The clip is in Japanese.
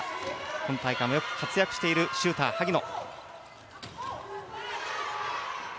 今大会もよく活躍しているシューター、萩野。